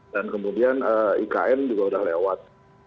dan kemudian ikn juga udah lewat